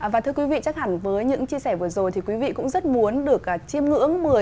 và thưa quý vị chắc hẳn với những chia sẻ vừa rồi thì quý vị cũng rất muốn được chiêm ngưỡng